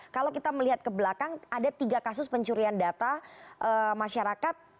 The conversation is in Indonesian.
kalau kita melihat ke belakang ada tiga kasus pencurian data masyarakat